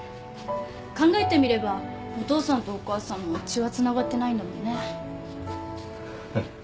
考えてみればお父さんとお母さんも血はつながってないんだもんね。